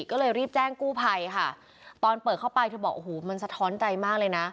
ก็เลยรีบแจ้งกู้ภัยค่ะตอนเปิดเข้าไปเธอบอกโอ้โหมันสะท้อนใจมากเลยนะ